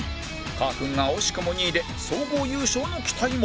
かーくんが惜しくも２位で総合優勝の期待も